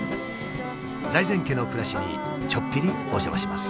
財前家の暮らしにちょっぴりお邪魔します。